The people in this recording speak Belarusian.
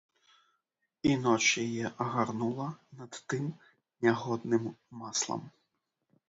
І ноч яе агарнула над тым нягодным маслам.